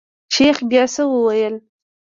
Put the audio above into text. شيخ بيا څه وويل.